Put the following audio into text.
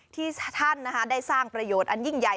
ที่ท่านได้สร้างประโยชน์อันยิ่งใหญ่